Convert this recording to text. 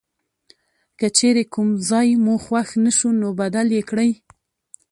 که چیرې کوم ځای مو خوښ نه شو نو بدل یې کړئ.